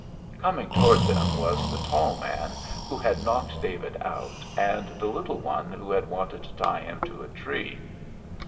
Coming toward them was the tall man who had knocked David out, and the little one who had wanted to tie him to a tree.